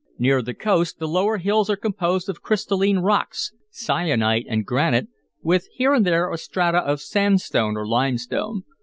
Near the coast the lower hills are composed of crystalline rocks, syenite and granite, with, here and there, a strata of sandstone or limestone.